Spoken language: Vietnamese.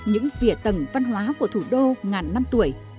những vỉa tầng văn hóa của thủ đô ngàn năm tuổi